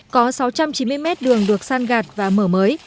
có sáu trăm chín mươi mét đường được săn gạt và mở mới